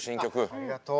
ありがとう。